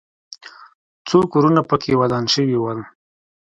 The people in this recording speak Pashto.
څو کورونه پکې ودان شوي ول.